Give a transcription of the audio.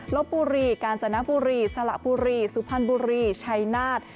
ลบบุรีกาญจนบุรีสละบุรีสุพรรณบุรีชัยนาฏ